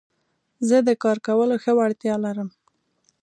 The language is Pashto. زه د کار کولو ښه وړتيا لرم.